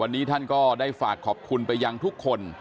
วันนี้ท่านก็ได้ฝากขอบคุณไปยังทุกคน